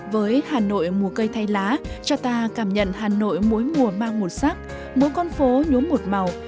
với hà nội mùa cây thay lá cho ta cảm nhận hà nội mỗi mùa mang một sắc mỗi con phố nhốm một màu